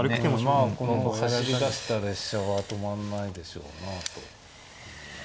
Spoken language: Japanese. まあこの走りだした列車は止まんないでしょうなと思いました。